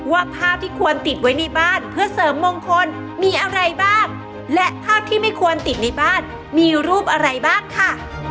ว่าภาพที่ควรติดไว้ในบ้านเพื่อเสริมมงคลมีอะไรบ้างและภาพที่ไม่ควรติดในบ้านมีรูปอะไรบ้างค่ะ